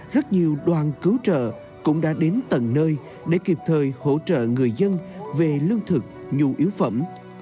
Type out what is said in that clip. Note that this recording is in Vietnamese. rất nhiều đoàn cứu trợ cũng đã đến tầng nơi để kịp thời hỗ trợ người dân về lương thực nhu yếu phẩm